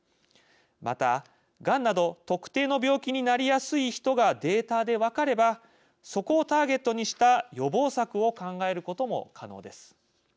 また、がんなど特定の病気になりやすい人がデータで分かればそこをターゲットにした予防策を考えることも可能です。